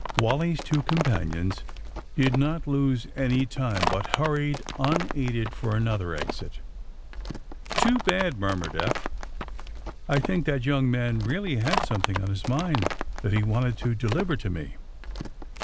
Wally 's two companions did not lose any time, but hurried unaided for another exit. Too bad," murmured Eph. *^I think that young man really had something on his mind that he wanted to deliver to me.